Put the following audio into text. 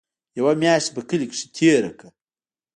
يوه مياشت مې په کلي کښې تېره کړه.